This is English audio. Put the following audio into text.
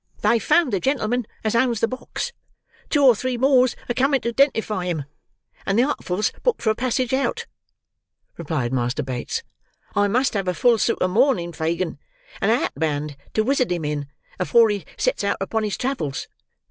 "They've found the gentleman as owns the box; two or three more's a coming to 'dentify him; and the Artful's booked for a passage out," replied Master Bates. "I must have a full suit of mourning, Fagin, and a hatband, to wisit him in, afore he sets out upon his travels.